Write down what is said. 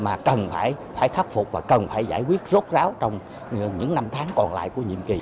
mà cần phải khắc phục và cần phải giải quyết rốt ráo trong những năm tháng còn lại của nhiệm kỳ